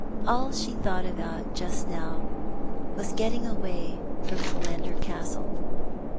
All she thought about just now was getting away from Killander Castle.